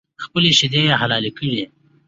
خپلې شیدې یې حلالې کړې